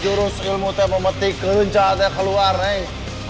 juru siklimu itu memetik keruncanya keluar nih